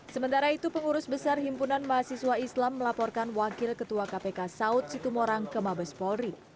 sementara itu pengurus besar himpunan mahasiswa islam melaporkan wakil ketua kpk saud situmorang ke mabes polri